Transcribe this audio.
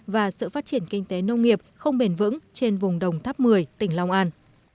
và sự phát triển kinh tế nông nghiệp không bền vững trên vùng đồng tháp một mươi tỉnh long an